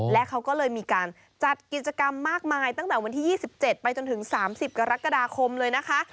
และเขาก็เลยมีการจัดกิจกรรมมากมายตั้งแต่วันที่๒๗ไปจนถึง๓๐กรกฎาคมเลยนะคะ